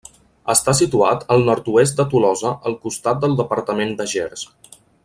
Està situat al nord-oest de Tolosa al costat del departament de Gers.